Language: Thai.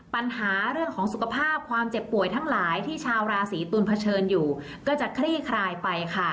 ปัญหาเรื่องของสุขภาพความเจ็บป่วยทั้งหลายที่ชาวราศีตุลเผชิญอยู่ก็จะคลี่คลายไปค่ะ